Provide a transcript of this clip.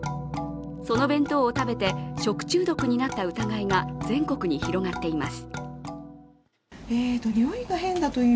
その弁当を食べて食中毒になった疑いが全国に広がっています。